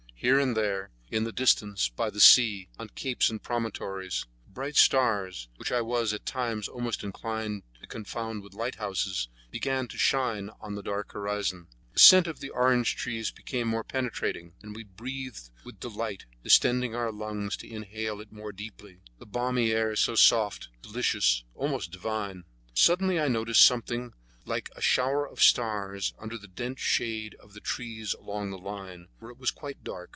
Here and there, in the distance, by the sea, on capes and promontories, bright stars, which I was, at times, almost inclined to confound with lighthouses, began to shine on the dark horizon: The scent of the orange trees became more penetrating, and we breathed with delight, distending our lungs to inhale it more deeply. The balmy air was soft, delicious, almost divine. Suddenly I noticed something like a shower of stars under the dense shade of the trees along the line, where it was quite dark.